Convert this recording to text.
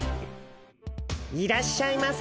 いらっしゃいませ。